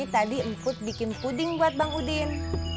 ini tadi empat bikin puding buat bang udin